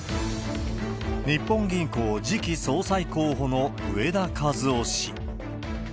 日本銀行次期総裁候補の植田和男氏。